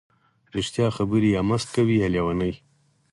ـ رښتیا خبرې یا مست کوي یا لیوني.